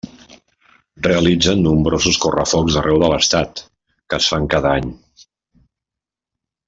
Realitzen nombrosos Correfocs arreu de l'Estat que es fan cada any.